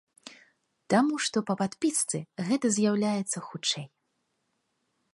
Таму што па падпісцы гэта з'яўляецца хутчэй.